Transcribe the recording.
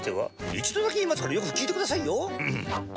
一度だけ言いますからよく聞いてくださいよ。